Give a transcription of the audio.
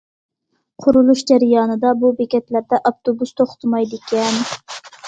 قۇرۇلۇش جەريانىدا بۇ بېكەتلەردە ئاپتوبۇس توختىمايدىكەن.